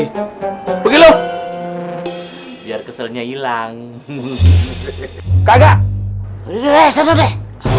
hai begitu biar keselnya hilang hehehe kagak udah deh